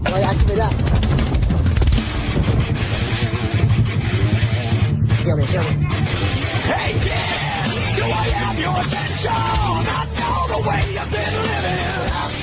วัยรุ่นที่คุกขนองเป็นอุบัติเหตุในทางที่ผิด